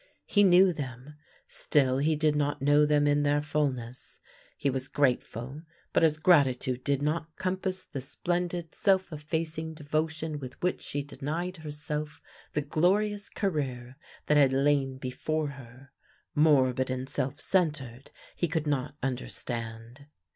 He knew them, still he did not know them in their fulness; he was grateful, but his gratitude did not compass the splendid self effacing devotion with which she denied herself the glorious career that had lain be fore her. Morbid and self centred, he could not under stand.